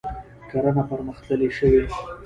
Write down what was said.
کرنه پرمختللې شوې.